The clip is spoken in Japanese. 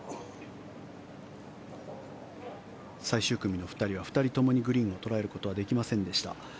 最終組の２人は、２人ともにグリーンを捉えることはできませんでした。